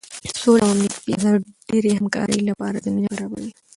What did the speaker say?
سوله او امنیت بیا د ډیرې همکارۍ لپاره زمینه برابروي.